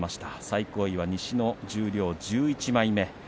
最高位は西の十両１１枚目。